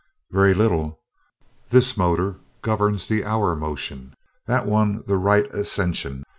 "Very little. This motor governs the hour motion, that one the right ascension.